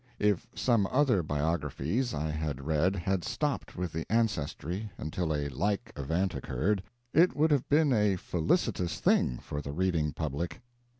If some other biographies I have read had stopped with the ancestry until a like event occurred, it would have been a felicitous thing, for the reading public.